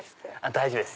大丈夫です